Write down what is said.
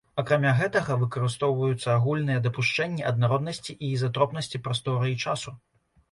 Акрамя гэтага выкарыстоўваюцца агульныя дапушчэнні аднароднасці і ізатропнасці прасторы і часу.